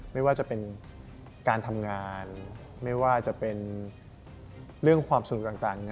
ไม่ว่าจะเป็นการทำงานไม่ว่าจะเป็นเรื่องความสนุกต่าง